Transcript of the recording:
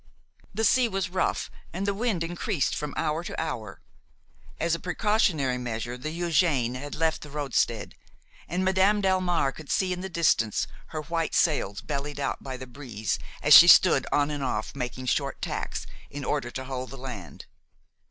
The sea was rough and the wind increased from hour to hour. As a precautionary measure the Eugène had left the roadstead, and Madame Delmare could see in the distance her white sails bellied out by the breeze, as she stood on and off, making short tacks, in order to hold the land.